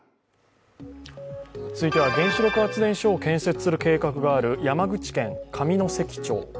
続いては原子力発電所を建設する計画がある山口県上関町。